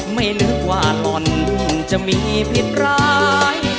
คุณจะมีผิดร้าย